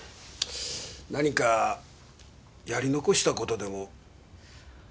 何かやり残した事でも？